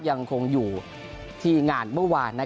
ทั้งสตาฟ